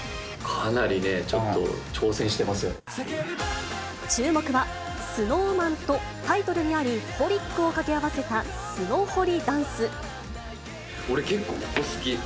かなりね、ちょっと挑戦して注目は、ＳｎｏｗＭａｎとタイトルにあるホリックを掛け合わせた、俺、結構ここ好き。